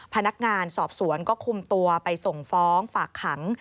พนักงานสอบสวนก็คุมตัวไปส่งฟ้องฝากขัง